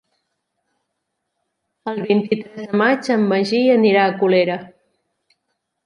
El vint-i-tres de maig en Magí anirà a Colera.